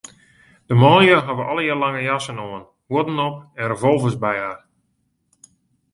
De manlju hawwe allegearre lange jassen oan, huodden op en revolvers by har.